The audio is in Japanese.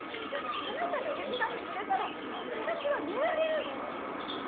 あなたが手伝ってくれたら私は寝られるの。